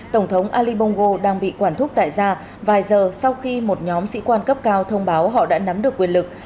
tổng thống ali bongo đang bị quản thúc tại gia vài giờ sau khi một nhóm sĩ quan cấp cao thông báo họ đã nắm được quyền lực